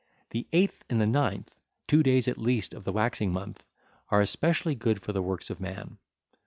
The eighth and the ninth, two days at least of the waxing month 1341, are specially good for the works of man.